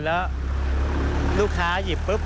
แล้วลูกค้าหยิบปุ๊บ